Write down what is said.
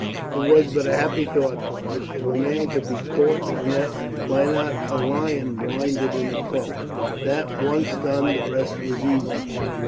"It was but a happy thought, Porus: if a man could be caught in a net, why not a lion blinded in a cloak? That once done the rest was easy."